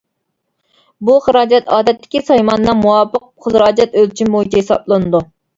بۇ خىراجەت ئادەتتىكى سايماننىڭ مۇۋاپىق خىراجەت ئۆلچىمى بويىچە ھېسابلىنىدۇ.